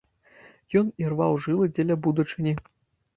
Ён ірваў жылы дзеля будучыні.